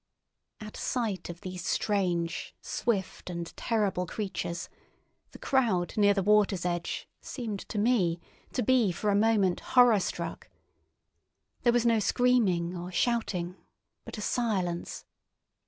At sight of these strange, swift, and terrible creatures the crowd near the water's edge seemed to me to be for a moment horror struck. There was no screaming or shouting, but a silence.